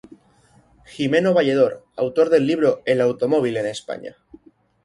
Gimeno Valledor, autor del libro "El automóvil en España.